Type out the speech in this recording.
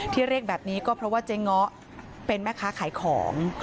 เรียกแบบนี้ก็เพราะว่าเจ๊ง้อเป็นแม่ค้าขายของ